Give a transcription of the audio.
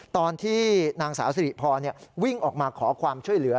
ตอนที่นางสาวสิริพรวิ่งออกมาขอความช่วยเหลือ